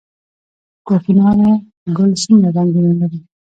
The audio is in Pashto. کوکنارو ګل څومره رنګونه لري؟